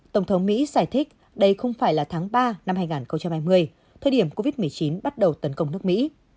tổng thống mỹ giải thích đây không phải là tháng ba năm hai nghìn hai mươi thời điểm covid một mươi chín bắt đầu tấn công nước mỹ